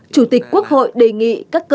chủ tịch quốc hội đề nghị các cơ quan của quốc tế